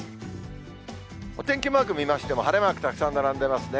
お天気マーク見ましても、晴れマークたくさん並んでますね。